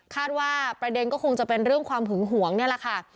ว่าประเด็นก็คงจะเป็นเรื่องความหึงหวงนี่แหละค่ะ